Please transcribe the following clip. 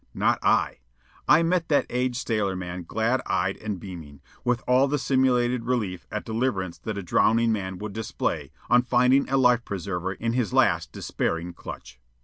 Not I. I met that aged sailorman glad eyed and beaming, with all the simulated relief at deliverance that a drowning man would display on finding a life preserver in his last despairing clutch.